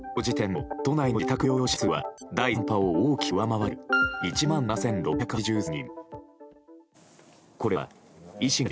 今日時点の都内の自宅療養者は第３波を大きく上回る１万７６８３人。